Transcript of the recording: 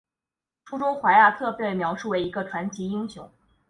书中怀亚特被描述成为一个传奇英雄。